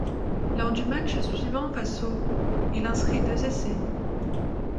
Lors du match suivant face aux ', il inscrit deux essais.